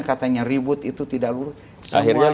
katanya ribut itu tidak lurus